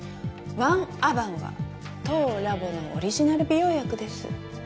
１ａｖａｎは当ラボのオリジナル美容薬です。